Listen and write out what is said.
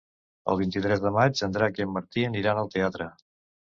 El vint-i-tres de maig en Drac i en Martí aniran al teatre.